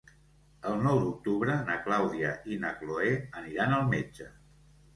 El nou d'octubre na Clàudia i na Cloè aniran al metge.